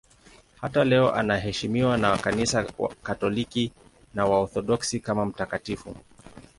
Hata leo anaheshimiwa na Kanisa Katoliki na Waorthodoksi kama mtakatifu.